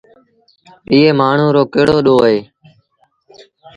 ايٚئي مآڻهوٚٚ رو ڪهڙو ڏوه اهي؟